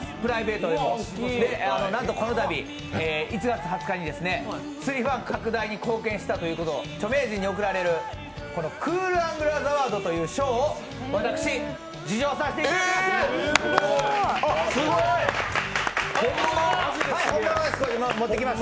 プライベートでも、なんとこのたび１月２０日、釣りファン拡大に貢献したということで著名人に贈られるクール・アングラーズ・アワードという賞を私、受賞させてもらいました。